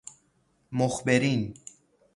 مخبرین